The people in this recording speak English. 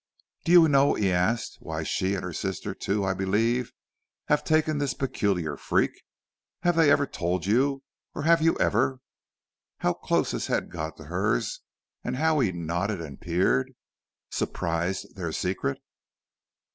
"Do you know," he asked, "why she, and her sister, too, I believe, have taken this peculiar freak? Have they ever told you, or have you ever " how close his head got to hers, and how he nodded and peered "surprised their secret?"